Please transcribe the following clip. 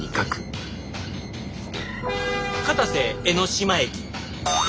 「片瀬江ノ島駅」。